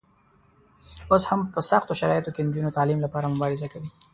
اوس هم په سختو شرایطو کې د نجونو د تعلیم لپاره مبارزه کوي.